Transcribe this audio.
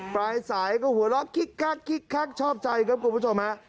ปลายสายก็หัวล้อคิกคักชอบใจครับคุณผู้ชม